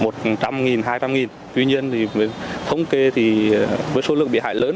tuy nhiên thì thống kê thì với số lượng bị hại lớn